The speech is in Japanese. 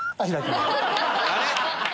あれ⁉